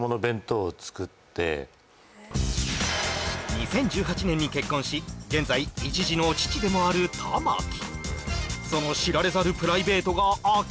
２０１８年に結婚し現在一児の父でもある玉木